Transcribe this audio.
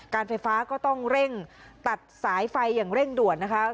การไฟฟ้าก็ต้องเร่งตัดสายไฟอย่างเร่งด่วนนะคะ